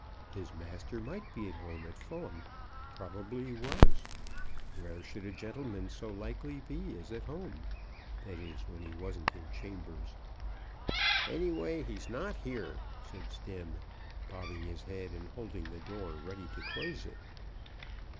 His master might be at home at Fulham, probably was. Where should a gentleman so likely be as at home, that is, when he wasn't in chambers? "Anyways, he's not here," said Stemm, bobbing his head, and holding the door ready to close it.